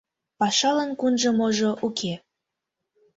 Пашалан кунжо-можо уке.